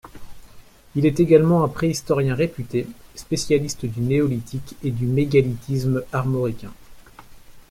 Il est également un préhistorien réputé, spécialiste du Néolithique et du mégalithisme armoricain.